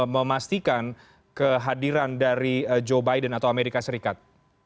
memastikan kehadiran dari joe biden atau amerika serikat